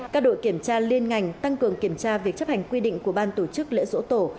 các đội kiểm tra liên ngành tăng cường kiểm tra việc chấp hành quy định của ban tổ chức lễ dỗ tổ